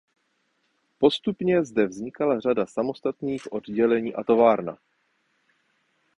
Postupně zde vznikla řada samostatných oddělení a továrna.